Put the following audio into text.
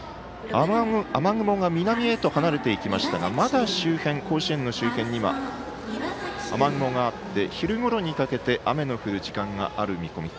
雨雲が南へと離れていきましたがまだ甲子園の周辺には雨雲があって昼頃にかけて雨の降る時間がある見込み。